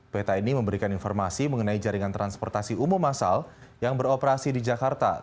peta ini memberikan informasi mengenai jaringan transportasi umum masal yang beroperasi di jakarta